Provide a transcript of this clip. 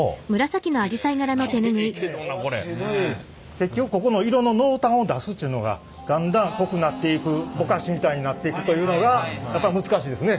結局ここの色の濃淡を出すっちゅうのがだんだん濃くなっていくぼかしみたいになっていくというのがやっぱ難しいですね。